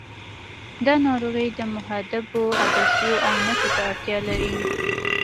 دا ناروغي د محدبو عدسیو عینکو ته اړتیا لري.